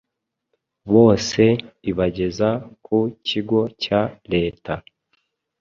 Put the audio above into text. bose ibageza ku kigo cya leta,